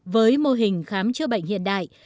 với mô hình khám chữa bệnh hiện đại